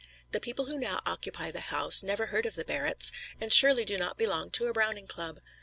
The people who now occupy the house never heard of the Barretts, and surely do not belong to a Browning Club.